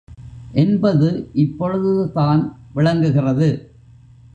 என்பது இப்பொழுது தான் விளங்குகிறது.